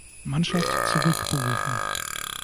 Mannschaft zurück berufen.